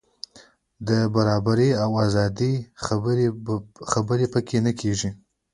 د برابرۍ او ازادۍ خبرې په کې نه کېږي.